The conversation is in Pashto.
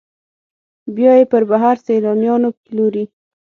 بیا یې پر بهر سیلانیانو پلوري.